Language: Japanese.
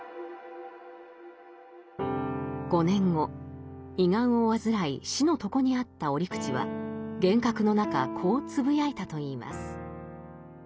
５年後胃がんを患い死の床にあった折口は幻覚の中こうつぶやいたといいます。